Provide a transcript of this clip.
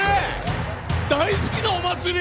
大好きなお祭り。